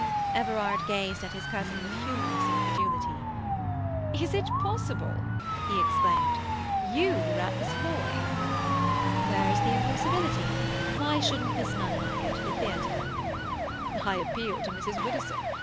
Everard gazed at his cousin with humorous incredulity. "Is it possible?" he exclaimed. "You were at the Savoy?" "Where is the impossibility? Why shouldn't Miss Nunn and I go to the theatre?" "I appeal to Mrs. Widdowson.